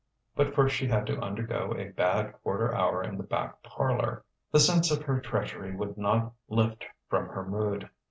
But first she had to undergo a bad quarter hour in the back parlour. The sense of her treachery would not lift from her mood.